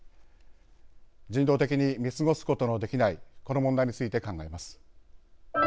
人道的に見過ごすことのできないこの問題について考えます。